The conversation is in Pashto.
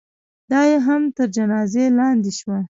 دا یې هم تر جنازې لاندې شوه.